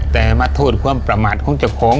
แต่มาโทษความประมาทของเจ้าของ